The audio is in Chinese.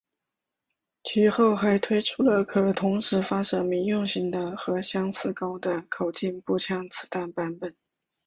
其后还推出了可同时发射民用型的和相似高的口径步枪子弹版本。